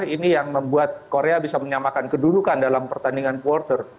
ini yang membuat korea bisa menyamakan kedudukan dalam pertandingan quarter